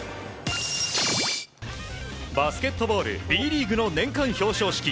バスケットボールＢリーグの年間表彰式。